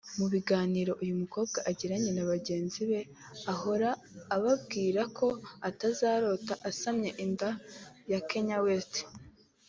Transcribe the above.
Mu biganiro uyu mukobwa agirana na bagenzi ahora ababwiraga ko atazarota asamye inda ya Kanye West